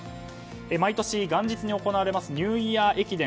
毎年、元日に行われますニューイヤー駅伝。